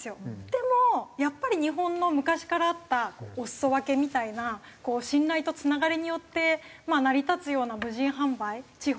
でもやっぱり日本の昔からあったお裾分けみたいな信頼とつながりによって成り立つような無人販売地方の。